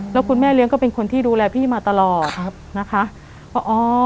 แล้วคุณแม่เลี้ยงก็เป็นคนที่ดูแลพี่มาตลอดครับนะคะว่าอ๋อ